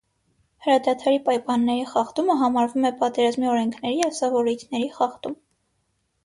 Հրադադարի պայմանների խախտումը համարվում է պատերազմի օրենքների և սովորույթների խախտում։